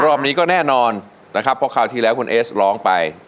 รอบนี้ก็แน่นอนนะครับเพราะคราวที่แล้วคุณเอสร้องไป